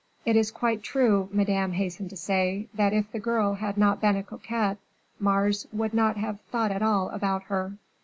"It is quite true," Madame hastened to say, "that if the girl had not been a coquette, Mars would not have thought at all about her."